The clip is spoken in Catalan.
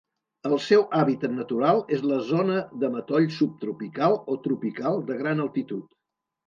El seu hàbitat natural és la zona de matoll subtropical o tropical de gran altitud.